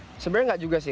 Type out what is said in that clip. sebenarnya enggak juga sih